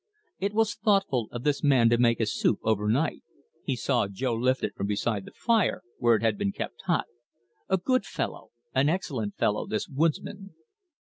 It was thoughtful of this man to make his soup overnight he saw Jo lift it from beside the fire where it had been kept hot. A good fellow an excellent fellow, this woodsman.